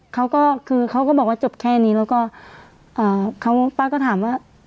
เขาบอกว่าจบแค่นี้แล้วก็ป้าก็ถามว่า